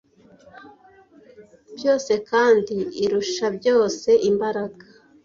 byose kandi irusha byose imbaraga